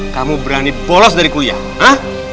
kamu berani bolos dari kuliah ah